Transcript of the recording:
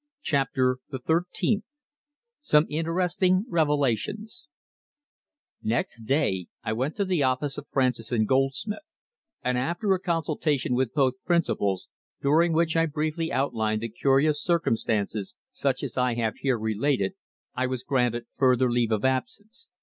CHAPTER THE THIRTEENTH SOME INTERESTING REVELATIONS Next day I went to the office of Francis and Goldsmith, and after a consultation with both principals, during which I briefly outlined the curious circumstances such as I have here related, I was granted further leave of absence.